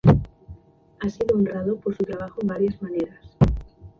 Ha sido honrado por su trabajo en varias maneras.